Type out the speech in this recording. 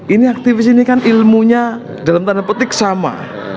ini aktivis ini kan ilmunya dalam tanda petik sama